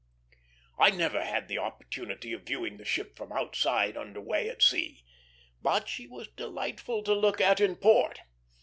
I never had the opportunity of viewing the ship from outside under way at sea; but she was delightful to look at in port.